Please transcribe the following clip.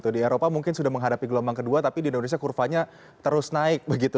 di eropa mungkin sudah menghadapi gelombang kedua tapi di indonesia kurvanya terus naik begitu